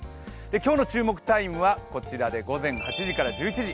今日の注目タイムは午前８時から１１時。